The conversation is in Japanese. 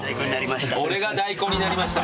俺が大根になりました。